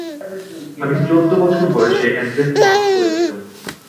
আমি চোদ্দ বছর বয়সে এনট্রেন্স পাস করেছিলুম।